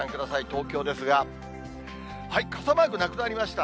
東京ですが、傘マークなくなりました。